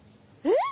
えっ！？